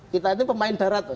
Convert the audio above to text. kita itu pemain darat